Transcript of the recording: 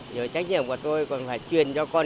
rồi trách nhiệm của tôi còn phải truyền cho các bạn